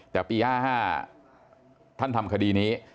แต่ปี๕๕ท่านทำคดีนี้